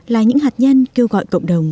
là những hạt nhân kêu gọi cộng đồng